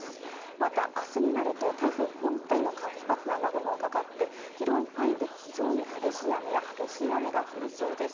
また、あすになると台風本体の活発な雨雲がかかって、広い範囲で非常に激しい雨や激しい雨が降りそうです。